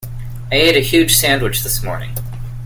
I ate a huge sandwich this morning.